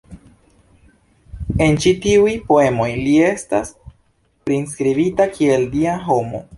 En ĉi tiuj poemoj li estas priskribita kiel dia homo.